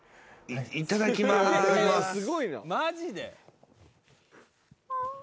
いただきます。